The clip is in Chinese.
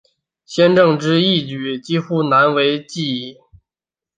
先正之义举几乎难为继矣。